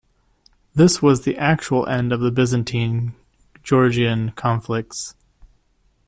This was the actual end of the Byzantine-Georgian conflicts.